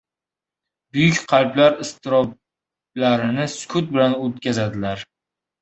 Buyuk qalblar iztiroblarini sukut bilan o‘tkazadilar.